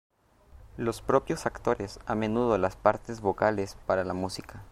Los propios actores a menudo las partes vocales para la música.